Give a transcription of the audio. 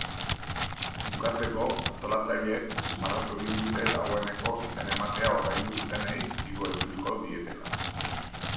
Bukatzeko, antolatzaileek azpimarratu egin dute dagoeneko izen-ematea ordaindu dutenei dirua itzuliko dietela.